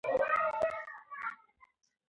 درمل باید د ډاکتر په سلا وکارول شي.